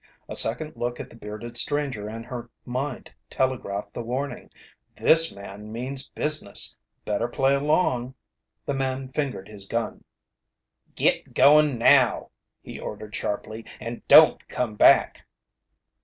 A second look at the bearded stranger, and her mind telegraphed the warning: "This man means business! Better play along." The man fingered his gun. "Git goin' now!" he ordered sharply. "And don't come back!"